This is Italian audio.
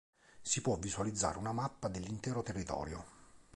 Si può visualizzare una mappa dell'intero territorio.